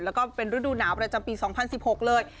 แล้วก็เป็นฤดูหนาวประจำปี๒๐๑๖เลย